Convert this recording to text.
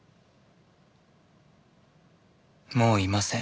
もういません